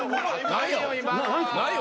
ないよ。